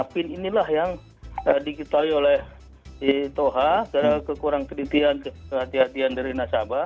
pin inilah yang dikitali oleh toha karena kekurang ketelitian kehatian dari nasabah